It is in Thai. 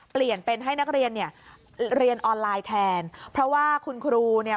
เปลี่ยนเป็นให้นักเรียนเนี่ยเรียนออนไลน์แทนเพราะว่าคุณครูเนี่ย